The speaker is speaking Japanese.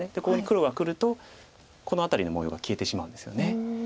ここに黒がくるとこの辺りの模様が消えてしまうんですよね。